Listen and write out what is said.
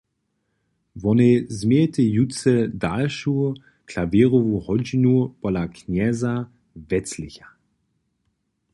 Wonej změjetej jutře dalšu klawěrnu hodźinu pola knjeza Weclicha.